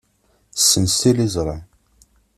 Ssens tiliẓri.